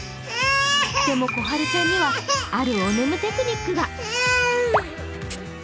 でもこはるちゃんには、あるおねむテクニックが。